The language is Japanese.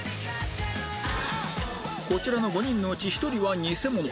こちらの５人のうち１人はニセモノ